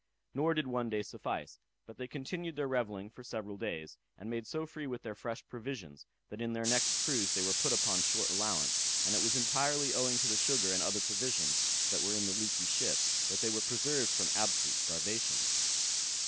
Nor did one day suffice, but they continued their revelling for several days, and made so free with their fresh provisions, that in their next cruise they were put upon short allowance; and it was entirely owing to the sugar and other provisions that were in the leaky ship that they were preserved from absolute starvation.